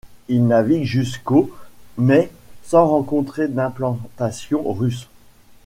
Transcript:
Il navigue jusqu'au mais sans rencontrer d'implantations russes.